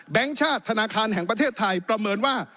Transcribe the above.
ชาติธนาคารแห่งประเทศไทยประเมินว่า